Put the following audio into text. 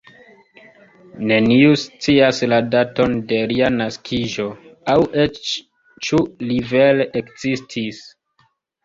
Neniu scias la daton de lia naskiĝo, aŭ eĉ ĉu li vere ekzistis.